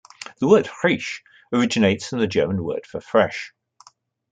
The word "Frisch" originates from the German word for "fresh".